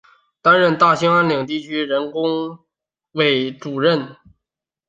担任大兴安岭地区人大工委主任。